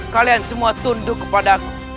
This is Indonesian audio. kalian semua tunduk kepada aku